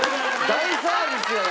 大サービスやな。